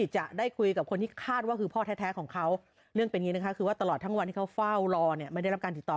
ชาไข่มุกนั่นเนี่ย